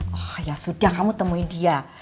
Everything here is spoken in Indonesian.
oh ya sudah kamu temuin dia